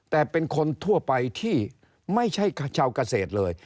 แต่เป็นคนทั่วไปที่ไม่ใช่ชาวเกษตรเลย